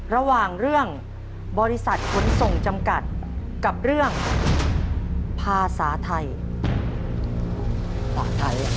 ระหว่างเรื่องบริษัทขนส่งจำกัดกับเรื่องภาษาไทยภาษาไทย